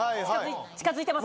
近づいてます？